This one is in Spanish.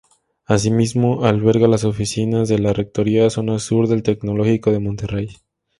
Así mismo, alberga las oficinas de la Rectoría Zona sur del Tecnológico de Monterrey.